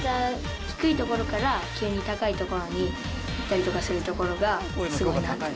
低いところから急に高いところにいったりするところがすごいなと。